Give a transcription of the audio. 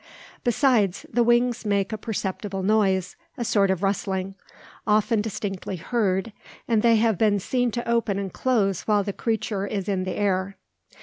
Besides, the wings make a perceptible noise, a sort of rustling, often distinctly heard; and they have been seen to open and close while the creature is in the air.